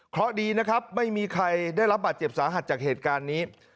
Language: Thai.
เพราะดีนะครับไม่มีใครได้รับบาดเจ็บสาหัสจากเหตุการณ์นี้